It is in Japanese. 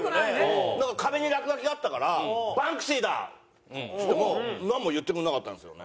壁に落書きがあったから「バンクシーだ」っつってもなんも言ってくれなかったんですよね。